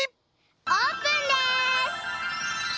オープンです！